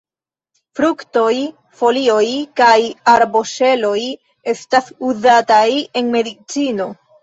Fruktoj, folioj kaj arboŝelo estas uzataj en medicino.